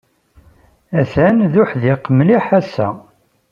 Atan d uḥdiq mliḥ ass-a.